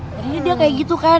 akhirnya dia kayak gitu kan